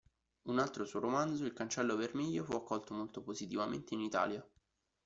Un altro suo romanzo, "Il cancello vermiglio", fu accolto molto positivamente in Italia.